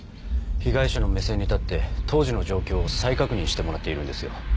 被害者の目線に立って当時の状況を再確認してもらっているんですよ。